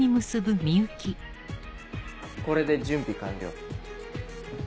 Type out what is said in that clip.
これで準備完了。